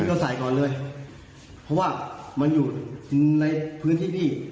ก็ใส่ก่อนเลยเพราะว่ามันอยู่ในพื้นที่นี่